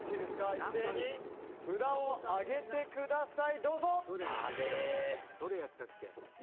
一斉に札を上げてください！